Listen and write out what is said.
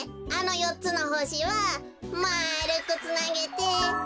あのよっつのほしはまあるくつなげて。